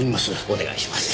お願いします。